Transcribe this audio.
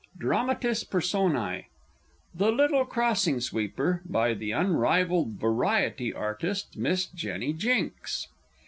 DRAMATIS PERSONÆ. The Little Crossing Sweeper By the unrivalled Variety Artist Miss JENNY JINKS.